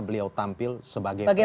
beliau tampil sebagai presiden